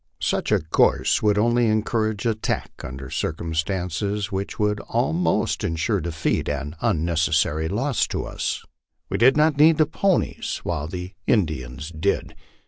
Such a course would only encourage attack under circumstances which would almost insure defeat and unnecessary loss to us. We did not need the ponies, while the Indians did.